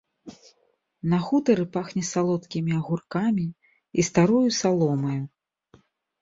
На хутары пахне салодкімі агуркамі і старою саломаю.